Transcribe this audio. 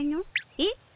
えっ？